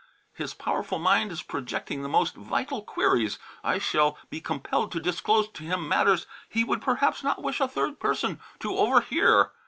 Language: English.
His powerful mind is projecting the most vital queries. I shall be compelled to disclose to him matters he would perhaps not wish a third person to overhear.